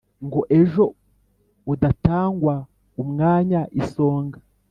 Ngo ejo udatangwa umwanya i Songa